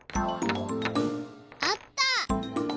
あった。